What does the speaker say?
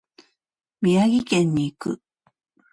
宮城県に行く。